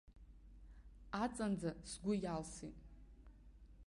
Аҵанӡа сгәы иалсит.